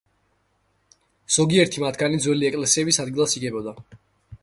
ზოგიერთი მათგანი ძველი ეკლესიების ადგილას იგებოდა.